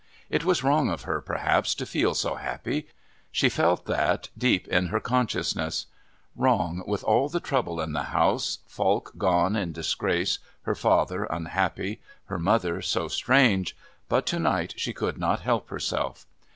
It was wrong of her, perhaps, to feel so happy she felt that deep in her consciousness; wrong, with all the trouble in the house, Falk gone in disgrace, her father unhappy, her mother so strange; but to night she could not help herself.